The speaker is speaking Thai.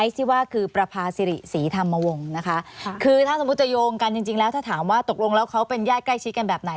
ที่ว่าคือประพาสิริศรีธรรมวงศ์นะคะคือถ้าสมมุติจะโยงกันจริงแล้วถ้าถามว่าตกลงแล้วเขาเป็นญาติใกล้ชิดกันแบบไหน